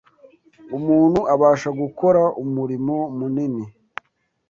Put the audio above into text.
umuntu abasha gukora umurimo munini